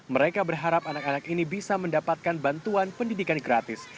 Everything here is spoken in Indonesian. mereka berharap anak anak ini bisa mendapatkan bantuan pendidikan gratis